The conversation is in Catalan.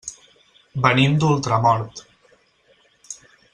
Venim d'Ultramort.